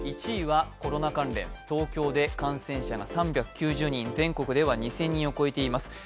１位はコロナ関連、東京で感染者が３９０人、全国では２０００人を超えています。